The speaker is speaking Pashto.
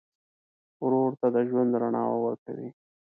ورور ته د ژوند رڼا ورکوې.